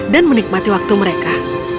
dan menikmati waktu mereka